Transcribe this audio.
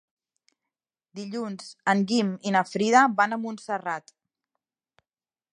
Dilluns en Guim i na Frida van a Montserrat.